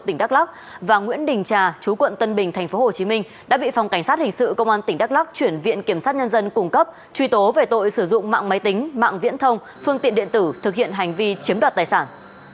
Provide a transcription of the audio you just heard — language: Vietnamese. tỉnh đắk lắc và nguyễn đình trà chú quận tân bình tp hcm đã bị phòng cảnh sát hình sự công an tỉnh đắk lắc chuyển viện kiểm sát nhân dân cung cấp truy tố về tội sử dụng mạng máy tính mạng viễn thông phương tiện điện tử thực hiện hành vi chiếm đoạt tài sản